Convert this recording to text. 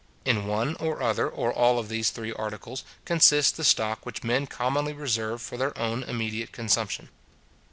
In one or other, or all of these three articles, consists the stock which men commonly reserve for their own immediate consumption.